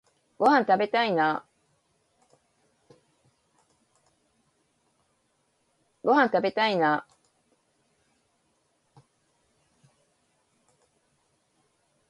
ごはんたべたいな